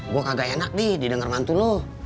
gue gak enak di denger mantu lo